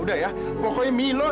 udah ya pokoknya milo